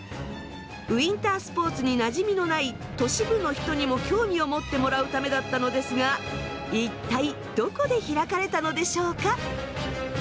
ウインタースポーツになじみのない都市部の人にも興味を持ってもらうためだったのですが一体どこで開かれたのでしょうか？